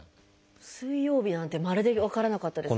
「水曜日」なんてまるで分からなかったですね。